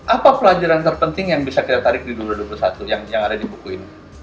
apa pelajaran terpenting yang bisa kita tarik di dua ribu dua puluh satu yang ada di buku ini